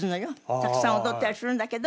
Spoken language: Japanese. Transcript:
たくさん踊ったりするんだけど。